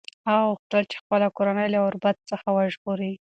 هغه غوښتل چې خپله کورنۍ له غربت څخه وژغوري.